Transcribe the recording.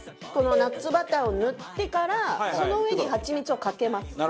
このナッツバターを塗ってからその上にハチミツをかけます。